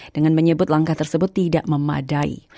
dengan menyebut langkah tersebut tidak memadai